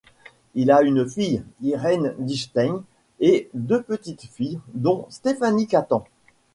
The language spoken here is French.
Il a une fille, Irène Dickstein et deux petites-filles, dont Stéphanie Catan.